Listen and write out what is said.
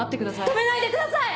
止めないでください！